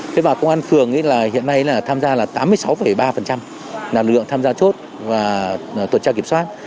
thế bà công an phường hiện nay là tham gia là tám mươi sáu ba là lực lượng tham gia chốt và tổ tuần tra kiểm soát